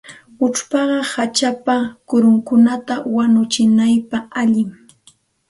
Uchpaqa hachapa kurunkunata wanuchinapaq allinmi.